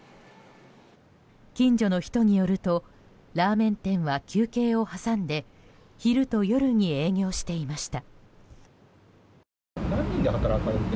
近所の人によるとラーメン店は休憩を挟んで昼と夜に営業していました。